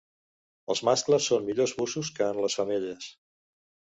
Els mascles són millors bussos que en les femelles.